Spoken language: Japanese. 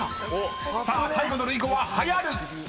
［さあ最後の類語は流行る］